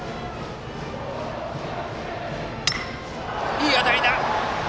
いい当たりだ！